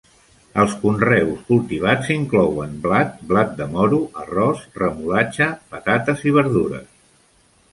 Els conreus cultivats inclouen blat, blat de moro, arròs, remolatxa, patates i verdures.